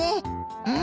うん？